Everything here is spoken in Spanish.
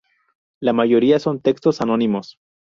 La mayoría son textos anónimos.